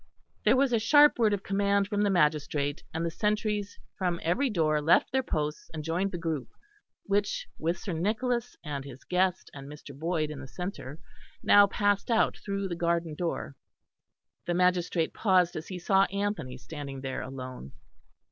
There was a sharp word of command from the magistrate, and the sentries from every door left their posts, and joined the group which, with Sir Nicholas and his guest and Mr. Boyd in the centre, now passed out through the garden door. The magistrate paused as he saw Anthony standing there alone.